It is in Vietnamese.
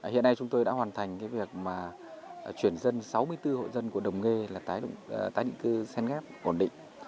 hiện nay chúng tôi đã hoàn thành cái việc mà chuyển dân sáu mươi bốn hộ dân của đồng nghê là tái định cư sen ghép ổn định